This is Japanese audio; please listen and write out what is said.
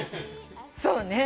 そうね。